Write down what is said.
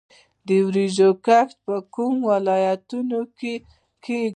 د وریجو کښت په کومو ولایتونو کې کیږي؟